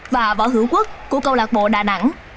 và võ hữu quốc của câu lạc bộ đà nẵng